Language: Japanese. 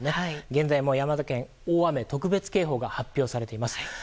現在も山形県、大雨特別警報が発表されています。